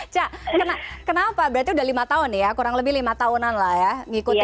cak kenapa berarti udah lima tahun ya kurang lebih lima tahunan lah ya ngikutin